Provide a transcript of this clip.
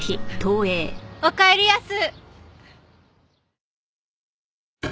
おかえりやす！